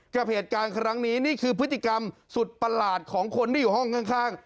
กับเหตุการณ์ครั้งนี้นี่คือพฤติกรรมสุดประหลาดของคนที่อยู่ห้องข้าง